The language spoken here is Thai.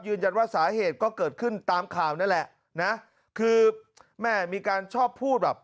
ว่าสาเหตุก็เกิดขึ้นตามข่าวนั่นแหละนะคือแม่มีการชอบพูดแบบ